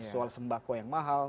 soal sembako yang mahal